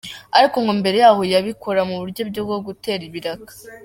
Ariko ngo mbere yaho yabikora mu buryo bwo gutera ibiraka.